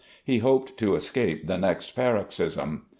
He hoped to escape the next paroxysm.